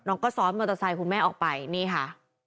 ก็ซ้อนมอเตอร์ไซค์คุณแม่ออกไปนี่ค่ะ